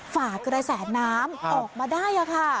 ฝากระแสน้ำออกมาได้ค่ะ